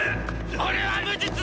俺は無実だ！